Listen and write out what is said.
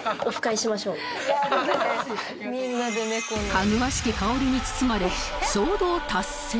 かぐわしき香りに包まれ衝動達成